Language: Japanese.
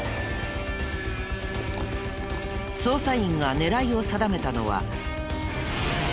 捜査員が狙いを定めたのは。